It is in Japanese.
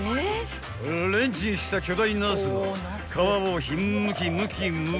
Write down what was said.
［レンチンした巨大ナスは皮をひんむきむきむき］